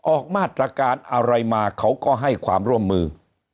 ออกมาตรการอะไรมาเขาก็ให้ความร่วมมือ